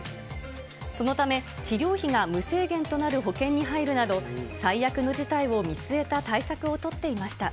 そのため、治療費が無制限となる保険に入るなど、最悪の事態を見据えた対策を取っていました。